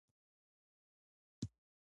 ایا زما غوسه به ښه شي؟